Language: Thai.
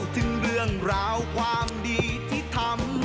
ถึงเรื่องราวความดีที่ทำ